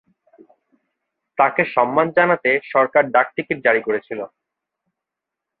তাঁকে সম্মান জানাতে সরকার ডাকটিকিট জারি করেছিল।